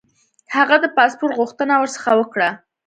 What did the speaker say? هغه د پاسپوټ غوښتنه ورڅخه وکړه.